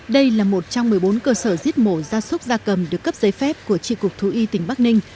đây là một trong một mươi bốn cơ sở giết mổ ra súc ra cầm được cấp giấy phép của tri cục thú y tỉnh bắc ninh